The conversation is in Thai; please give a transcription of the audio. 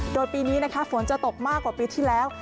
โดยปีนี้นะคะฝนจะตกมากกว่าปีที่แล้ว